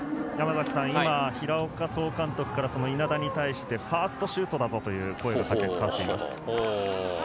今、平岡総監督から、その稲田に対してファーストシュートだぞという声がかかっています。